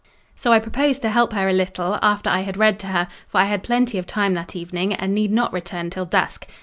So I proposed to help her a little, after I had read to her, for I had plenty of time that evening, and need not return till dusk.